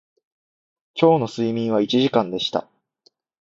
今日の睡眠は一時間でした